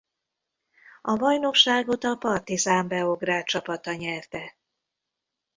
A bajnokságot a Partizan Beograd csapata nyerte.